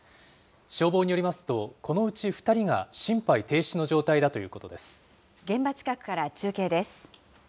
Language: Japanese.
消防によりますと、このうち２人が心肺停止の状態だということで現場近くから中継です。